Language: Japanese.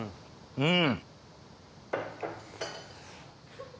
うん！